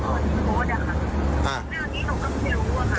หนูอ่านน้องขอโทษอ่ะค่ะเรื่องนี้หนูก็ไม่ได้รู้อ่ะค่ะ